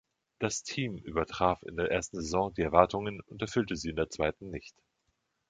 Das Team übertraf in der ersten Saison die Erwartungen und erfüllte sie in der zweiten nicht.